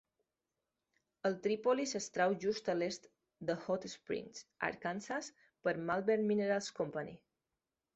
El tripoli s'extrau just a l'est de Hot Springs, Arkansas, per Malvern Minerals Company.